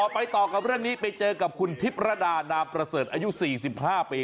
ไปต่อกับเรื่องนี้ไปเจอกับคุณทิพรดานามประเสริฐอายุ๔๕ปี